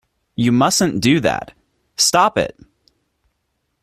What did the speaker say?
You mustn't do that. Stop it!